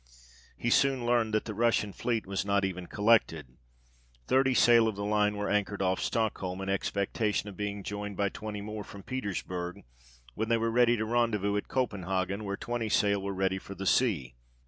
He soon learned that the Russian fleet was not even collected : thirty sail of the line were anchored off Stockholm, in expectation of being joined by twenty more from Petersburg, when they were to rendezvous at Copenhagen, where twenty sail were ready for the sea.